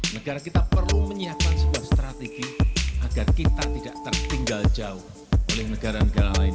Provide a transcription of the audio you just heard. negara kita perlu menyiapkan sebuah strategi agar kita tidak tertinggal jauh oleh negara negara lain